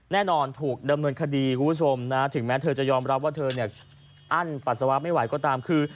แน่นอนถูกดำเนินคดีคุณผู้ชมนะถึงแม้เธอจะยอมรับว่าเธอเนี่ยอั้นปัสสาวะไม่ไหวก็ตามคือ